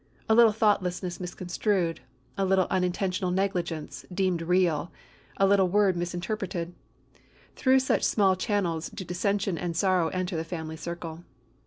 A little thoughtlessness misconstrued, a little unintentional negligence, deemed real, a little word misinterpreted,—through such small channels do dissension and sorrow enter the family circle.